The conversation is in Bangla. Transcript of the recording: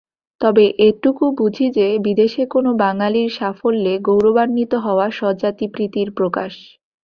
তবে এটুকু বুঝি যে বিদেশে কোনো বাঙালির সাফল্যে গৌরবান্বিত হওয়া স্বজাতিপ্রীতির প্রকাশ।